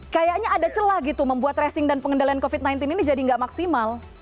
kayaknya ada celah gitu membuat tracing dan pengendalian covid sembilan belas ini jadi nggak maksimal